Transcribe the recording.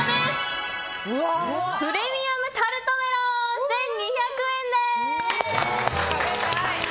プレミアムタルトメロン１２００円です！